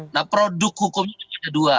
nah produk hukumnya kan ada dua